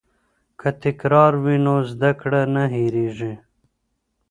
که تکرار وي نو زده کړه نه هیریږي.